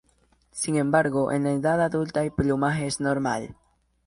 Sin embargo en la edad adulta el plumaje es normal.